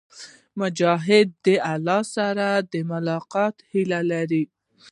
مجاهد د الله سره د ملاقات هيله لري.